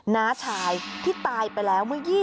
น้าชายที่ตายไปแล้ว